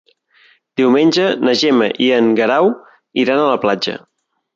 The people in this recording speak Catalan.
Diumenge na Gemma i en Guerau iran a la platja.